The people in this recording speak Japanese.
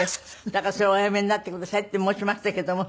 だからそれはおやめになってくださいって申しましたけども。